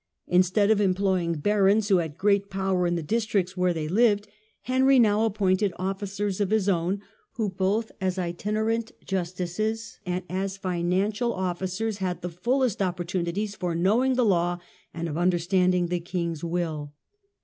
Instead of employing barons, who had great power in the districts where they lived, Henry now appointed officers of his own, who both as itinerant justices and as financial officers had the fullest opportunities of knowing the law and of understanding the king's will.